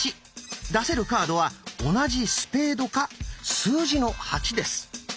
出せるカードは同じスペードか数字の「８」です。